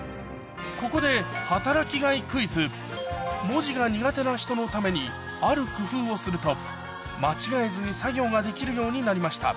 ここで文字が苦手な人のためにある工夫をすると間違えずに作業ができるようになりました